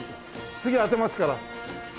次当てますから。